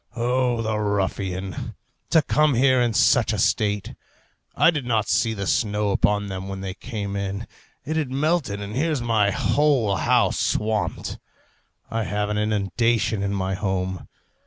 O the ruffian! to come here in such a state! I did not see the snow upon them when they came in; it had melted, and here's my whole house swamped. I have an inundation in my home.